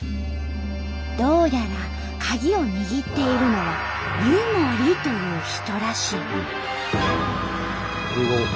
どうやらカギを握っているのは「湯守」という人らしい。